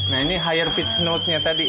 nah ini hire pitch note nya tadi